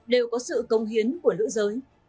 đều có sự công hiến của nữ giới